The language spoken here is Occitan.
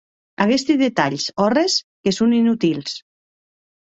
Aguesti detalhs òrres que son inutils.